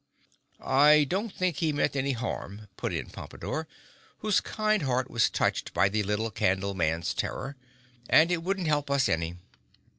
"I don't think he meant any harm," put in Pompadore, whose kind heart was touched by the little Candleman's terror. "And it wouldn't help us any."